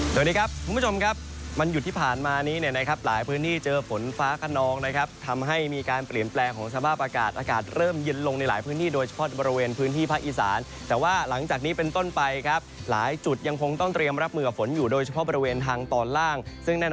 สวัสดีครับคุณผู้ชมครับวันหยุดที่ผ่านมานี้เนี่ยนะครับหลายพื้นที่เจอฝนฟ้าขนองนะครับทำให้มีการเปลี่ยนแปลงของสภาพอากาศอากาศเริ่มเย็นลงในหลายพื้นที่โดยเฉพาะบริเวณพื้นที่ภาคอีสานแต่ว่าหลังจากนี้เป็นต้นไปครับหลายจุดยังคงต้องเตรียมรับมือกับฝนอยู่โดยเฉพาะบริเวณทางตอนล่างซึ่งแน่น